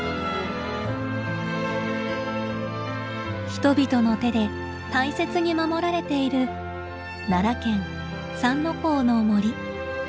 人々の手で大切に守られている奈良県三之公の森。